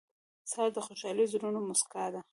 سهار د خوشحال زړونو موسکا ده.